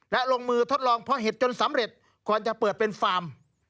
และลงมือทดลองเพาะเห็ดจนสำเร็จก่อนจะเปิดเป็นฟาร์ม